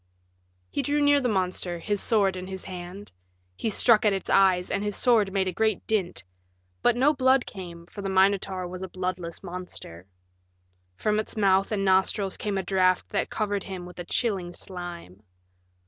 He drew near the monster, his sword in his hand. He struck at its eyes, and his sword made a great dint. But no blood came, for the Minotaur was a bloodless monster. From its mouth and nostrils came a draft that covered him with a chilling slime.